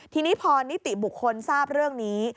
ทีนี้พอนิติบุคคลทราบเรื่องนี้